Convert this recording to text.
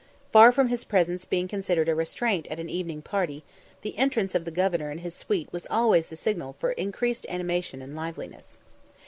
Far from his presence being considered a restraint at an evening party, the entrance of the Governor and his suite was always the signal for increased animation and liveliness.